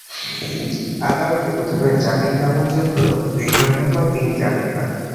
আদালতে প্রথমে জামিন নামঞ্জুর হলেও দুই ঘণ্টা পর তিনি জামিন পান।